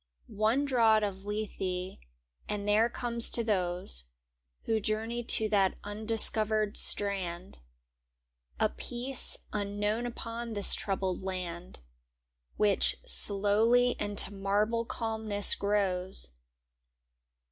One draught of Lethe and there comes to those Who journey to that undiscovered strand, A peace unknown upon this troubled land. Which slowly into marble calmness grows.